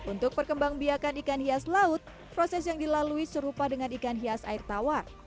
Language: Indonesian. untuk perkembang biakan ikan hias laut proses yang dilalui serupa dengan ikan hias air tawar